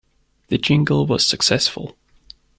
The jingle was successful.